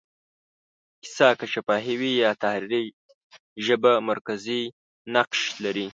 کیسه که شفاهي وي یا تحریري، ژبه مرکزي نقش لري.